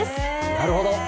なるほど。